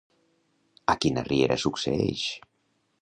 A quina riera succeeix?